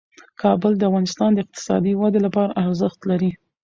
کابل د افغانستان د اقتصادي ودې لپاره ارزښت لري.